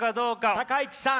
高市さん